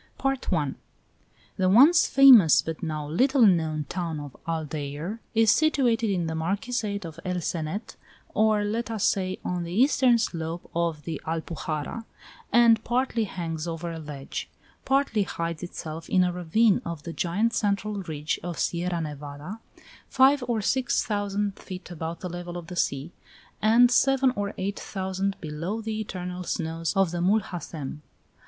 MOORS AND CHRISTIANS I. The once famous but now little known town of Aldeire is situated in the Marquisate of El Cenet, or, let us say, on the eastern slope of the Alpujarra, and partly hangs over a ledge, partly hides itself in a ravine of the giant central ridge of Sierra Nevada, five or six thousand feet above the level of the sea, and seven or eight thousand below the eternal snows of the Mulhacem.